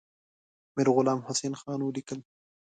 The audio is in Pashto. میرغلام حسین خان ولیکل.